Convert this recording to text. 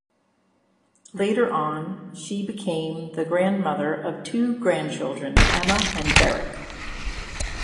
Later on she became the grandmother of two grandchildren: Emma and Derek.